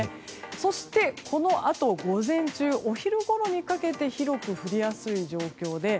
そして、このあと午前中、お昼ごろにかけて広く降りやすい状況で。